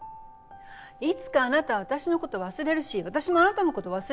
いつかあなたは私のことを忘れるし私もあなたのことを忘れる。